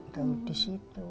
tuh di situ